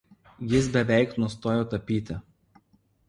Jis beveik nustojo tapyti.